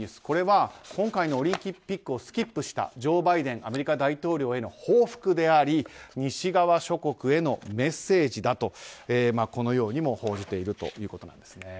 これは今回のオリンピックをスキップしたジョー・バイデンアメリカ大統領への報復であり西側諸国へのメッセージだとこのようにも報じているということなんです。